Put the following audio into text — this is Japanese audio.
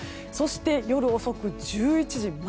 そして、夜遅く１１時。